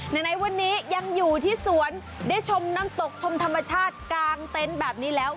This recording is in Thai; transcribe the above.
ไหนวันนี้ยังอยู่ที่สวนได้ชมน้ำตกชมธรรมชาติกลางเต็นต์แบบนี้แล้ว